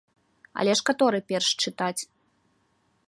Але ж каторы перш чытаць?